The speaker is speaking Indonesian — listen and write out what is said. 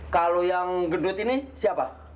kalau yang gedut ini siapa